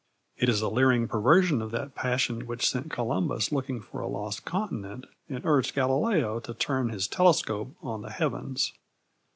It is a leering perversion of that passion which sent Columbus looking for a lost continent and urged Galileo to turn his telescope on the heavens.